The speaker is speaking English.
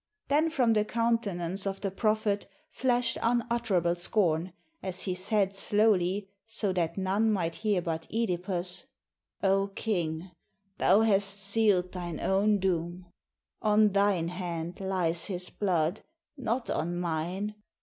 Then from the countenance of the prophet flashed un utterable scorn, as he said slowly, so that none might hear but CEdipus, "O king, thou hast sealed thine own doom. On thine hand Ues his blood, not on mine.